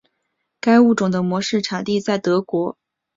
该物种的模式产地在德国。